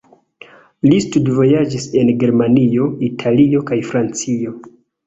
Li studvojaĝis en Germanio, Italio kaj Francio.